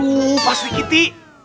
aduh pak swikiti